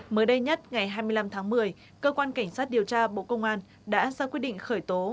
mới đây nhất ngày hai mươi năm tháng một mươi cơ quan cảnh sát điều tra bộ công an đã ra quyết định khởi tố